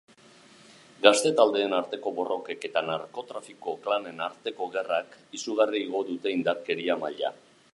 Gazte-taldeen arteko borrokek eta narkotrafiko klanen arteko gerrak izugarri igo dute indarkeria maila.